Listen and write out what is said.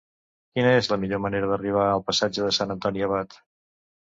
Quina és la millor manera d'arribar al passatge de Sant Antoni Abat?